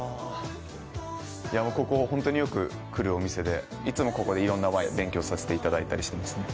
ここホントによく来るお店でいつもここでいろんなワインを勉強させていただいたりしてます。